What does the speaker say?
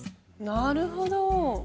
なるほど！